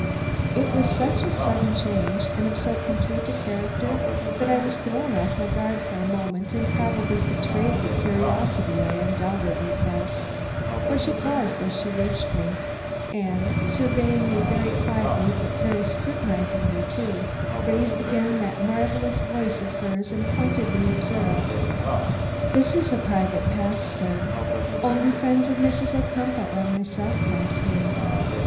It was such a sudden change and of so complete a character, that I was thrown off my guard for a moment and probably betrayed the curiosity I undoubtedly felt; for she paused as she reached me, and, surveying me very quietly but very scrutinizingly too, raised again that marvelous voice of hers and pointedly observed: "This is a private path, sir. Only the friends of Mrs. Ocumpaugh or of myself pass here."